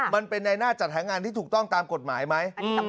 มันเป็นในหน้าจัดหางานที่ถูกต้องตามกฎหมายไหม